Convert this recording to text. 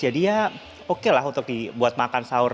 jadi ya oke lah untuk dibuat makan sahur